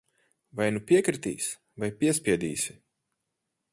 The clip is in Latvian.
Vai nu piekritīs, vai piespiedīsi.